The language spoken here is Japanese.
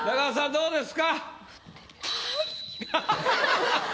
どうですか？